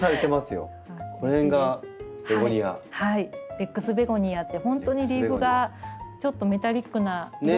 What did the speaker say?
レックスベゴニアって本当にリーフがちょっとメタリックな色もあれば。